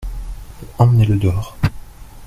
Emmenez-le dehors.